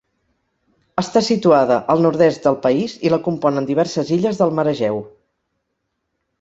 Està situada al nord-est del país i la componen diverses illes del mar Egeu.